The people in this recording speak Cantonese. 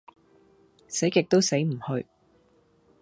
死極都死唔去